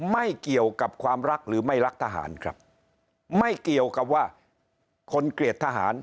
ไม่เกี่ยวกับความรักหรือไม่รักทหารครับไม่เกี่ยวกับว่าคนเกลียดทหาร